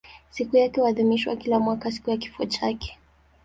Sikukuu yake huadhimishwa kila mwaka siku ya kifo chake.